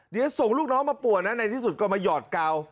เดี๋ยวส่งลูกน้องมาป่วนนะในที่สุดก็มาหยอดกาว